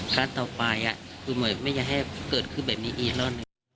ครั้งต่อไปคือเหมือนไม่อยากให้เกิดขึ้นแบบนี้อีกแล้วหนึ่ง